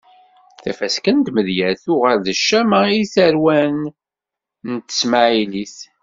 Tafaska n tmedyezt tuɣal d ccama i tarwan n tesmaɛlit.